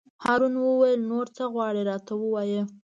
هارون وویل: نور څه غواړې راته ووایه.